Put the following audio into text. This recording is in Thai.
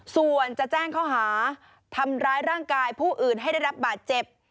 ส่วนจะแจ้งข้อหาทำร้ายร่างกายผู้อื่นให้ได้รับบาดเจ็บ